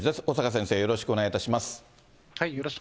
小坂先生、よろしくお願いします。